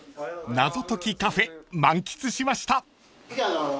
［謎解きカフェ満喫しました］